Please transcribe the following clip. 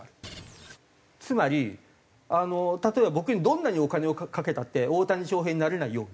つまり例えば僕にどんなにお金をかけたって大谷翔平になれないように。